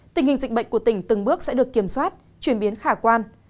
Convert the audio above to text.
tình hình dịch bệnh của tỉnh từng bước sẽ được kiểm soát chuyển biến khả quan